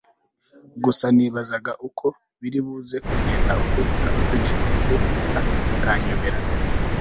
gusa nibazaga uko biribuze kugenda ubwo turaba tugeze iyo tujya bikanyobera